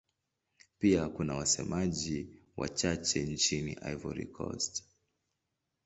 Pia kuna wasemaji wachache nchini Cote d'Ivoire.